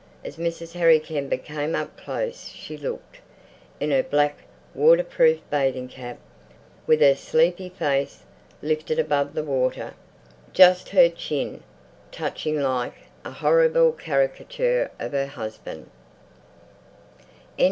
As Mrs. Harry Kember came up close she looked, in her black waterproof bathing cap, with her sleepy face lifted above the water, just her chin touching, like a horrible caricature of her husband.